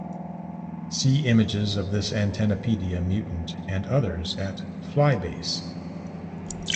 See images of this "antennapedia" mutant and others, at FlyBase.